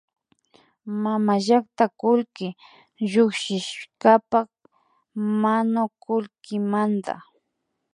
Mamallakta kullki llukshishkapak manukullkimanta